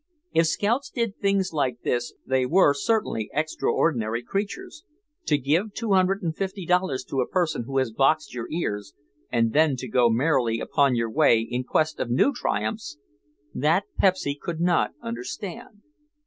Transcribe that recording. If scouts did things like this they were certainly extraordinary creatures. To give two hundred and fifty dollars to a person who has boxed your ears and then to go merrily upon your way in quest of new triumphs, that Pepsy could not understand.